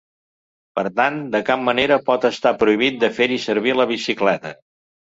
Per tant, de cap manera pot estar prohibit de fer-hi servir la bicicleta.